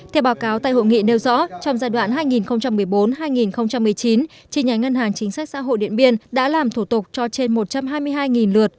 theo báo cáo tại hội nghị nêu rõ trong giai đoạn hai nghìn một mươi bốn hai nghìn một mươi chín chính sách xã hội điện biên đã làm thủ tục cho trên một trăm hai mươi hai lượt